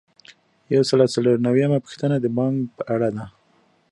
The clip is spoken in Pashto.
یو سل او څلور نوي یمه پوښتنه د بانک په اړه ده.